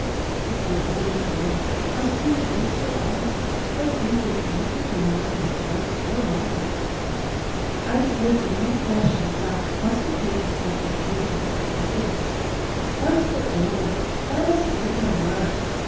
If thou'd only go, and see his wistful eyes I think they'd plead wi' thee more than his words, or mine either.' 'I tell thee my flesh and blood wasn't made for forgiving and forgetting. Once for all, thou must take my word.